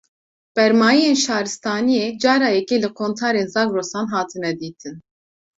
Bermayiyên şaristaniyê, cara yekê li qontarên Zagrosan hatine dîtin